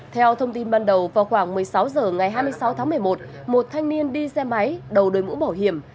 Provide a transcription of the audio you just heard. theo thông tin ban đầu vào khoảng một mươi sáu h ngày hai mươi sáu tháng một mươi một một thanh niên đi xe máy đầu đôi mũ bảo hiểm